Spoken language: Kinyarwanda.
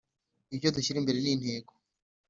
ibyo dushyira imbere n intego